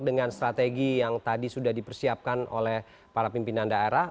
dengan strategi yang tadi sudah dipersiapkan oleh para pimpinan daerah